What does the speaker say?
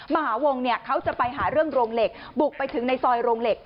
มหาวงเนี่ยเขาจะไปหาเรื่องโรงเหล็กบุกไปถึงในซอยโรงเหล็ก